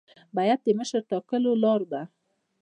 بیعت د مشر ټاکلو لار ده